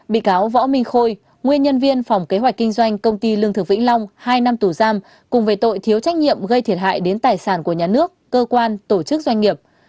bị cáo võ minh khôi nguyên nhân viên phòng kế hoạch kinh doanh công ty lương thực vĩnh long hai năm tù giam cùng về tội thiếu trách nhiệm gây thiệt hại đến tài sản của nhà nước cơ quan tổ chức doanh nghiệp